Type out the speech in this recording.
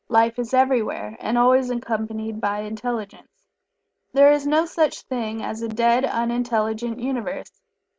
Life is everywhere, and always accompanied by intelligence. There is no such thing as a dead, unintelligent Universe.